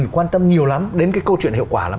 quan tâm nhiều lắm đến cái câu chuyện hiệu quả lắm